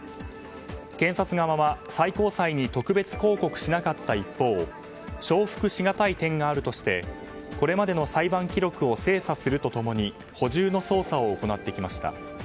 検察側は、最高裁に特別抗告しなかった一方承服しがたい点があるとしてこれまでの裁判記録を精査すると共に補充の捜査を行ってきました。